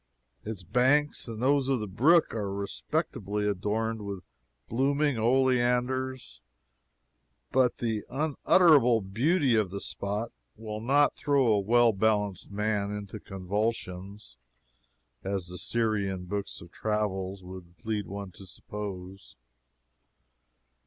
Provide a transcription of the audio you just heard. Its banks, and those of the brook are respectably adorned with blooming oleanders, but the unutterable beauty of the spot will not throw a well balanced man into convulsions, as the Syrian books of travel would lead one to suppose.